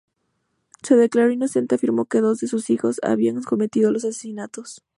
Se declaró inocente y afirmó que dos de sus hijos habían cometido los asesinatos.